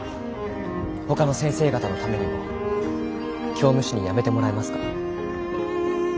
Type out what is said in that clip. ほかの先生方のためにも教務主任辞めてもらえますか？